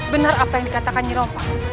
benar apa yang dikatakan eropa